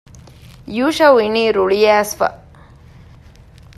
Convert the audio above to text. ޔޫޝައު އިނީ ރުޅިއައިސްފަ